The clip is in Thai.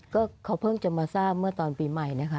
ก็เขาเพิ่งจะมาทราบเมื่อตอนปีใหม่นะคะ